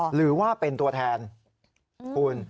หรือว่าเป็นตัวแทนคุณ